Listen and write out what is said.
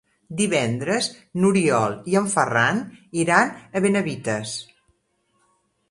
Divendres n'Oriol i en Ferran iran a Benavites.